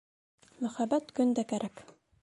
Мөхәббәт көндә кәрәк.